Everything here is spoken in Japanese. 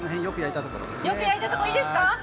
よく焼いたところ、いいですか。